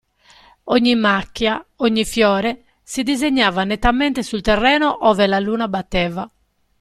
Ogni macchia, ogni fiore, si disegnava nettamente sul terreno ove la luna batteva.